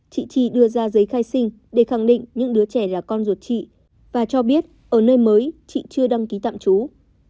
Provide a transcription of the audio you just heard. chị chi đưa ra giấy khai sinh để khẳng định những đứa trẻ là con ruột chị và cho biết ở nơi mới chị chưa đăng ký tạm trú